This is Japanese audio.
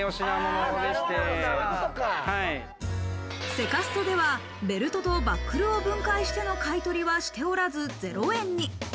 セカストでは、ベルトとバックルを分解しての買取はしておらず、０円に。